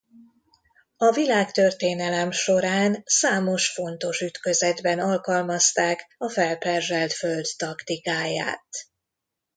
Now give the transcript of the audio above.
A világtörténelem során számos fontos ütközetben alkalmazták a felperzselt föld taktikáját.